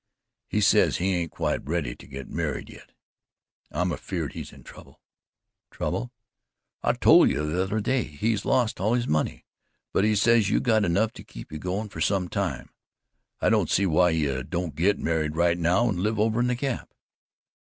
He says he ain't quite ready to git married yit. I'm afeerd he's in trouble." "Trouble?" "I tol' you t'other day he's lost all his money; but he says you've got enough to keep you goin' fer some time. I don't see why you don't git married right now and live over at the Gap."